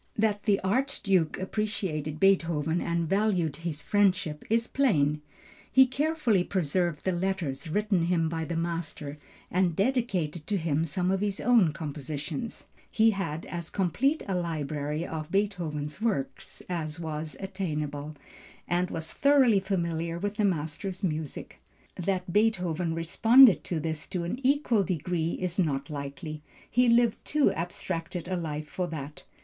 That the Archduke appreciated Beethoven and valued his friendship is plain. He carefully preserved the letters written him by the master and dedicated to him some of his own compositions. He had as complete a library of Beethoven's works as was attainable, and was thoroughly familiar with the master's music. That Beethoven responded to this to an equal degree is not likely. He lived too abstracted a life for that.